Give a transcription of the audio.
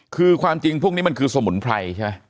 คือความจริงพวกนี้มันคือสมุนไพรใช่ไหม